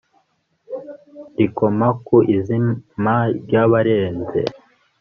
rikoma ku izima ry'abarenze